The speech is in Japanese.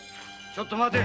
ちょっと待て！